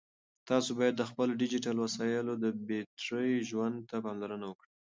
تاسو باید د خپلو ډیجیټل وسایلو د بېټرۍ ژوند ته پاملرنه وکړئ.